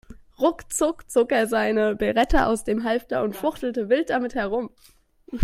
Ruckzuck zog er seine Beretta aus dem Halfter und fuchtelte wild damit herum.